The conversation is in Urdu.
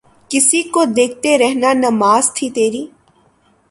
کسی کو دیکھتے رہنا نماز تھی تیری